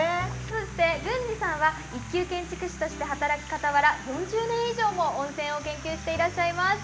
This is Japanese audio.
そして郡司さんは一級建築士として働くかたわら４０年以上も温泉を研究していらっしゃいます。